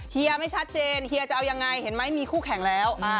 เฮียไม่ชัดเจนเฮียจะเอายังไงเห็นไหมมีคู่แข่งแล้ว